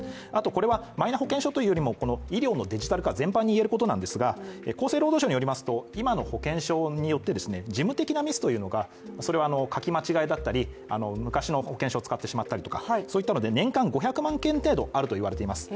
これはマイナ保険証というよりも、医療のデジタル化全般にいえるんですが厚生労働省によりますと今の保険証によって事務的なミスというのが、書き間違えだったり昔の保険証を使ってしまったりとかそういったので年間５００万件程度あるといわれています。